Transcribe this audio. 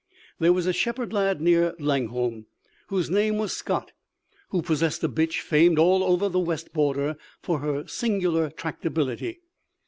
"There was a shepherd lad near Langholm, whose name was Scott, who possessed a bitch famed over all the West Border for her singular tractability.